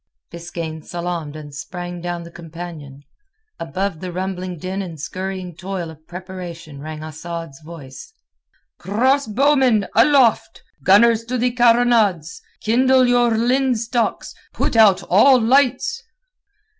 Biskaine salaamed and sprang down the companion. Above the rumbling din and scurrying toil of preparation rang Asad's voice. "Crossbowmen, aloft! Gunners to the carronades! Kindle your linstocks! Put out all lights!"